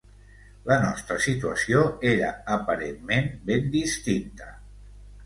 La nostra situació era aparentment ben distinta.